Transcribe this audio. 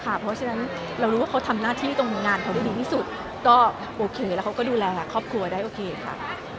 เพราะฉะนั้นเรารู้ว่าเขาทำหน้าที่ตรงงานเขาได้ดีที่สุดก็โอเคแล้วเขาก็ดูแลครอบครัวได้โอเคค่ะ